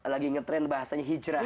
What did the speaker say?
lagi ngetrend bahasanya hijrah